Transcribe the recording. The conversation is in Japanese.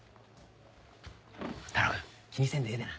太郎くん気にせんでええな。